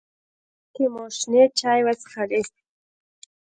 پارک کې مو شنې چای وڅښلې.